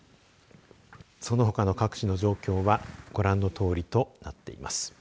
そのほかの各地の状況はご覧のとおりとなっています。